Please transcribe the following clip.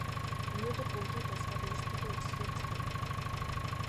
Өнөөдөр бүгдийг дуусгаад өөрсдийнхөө үдэшлэгийг зохиоё.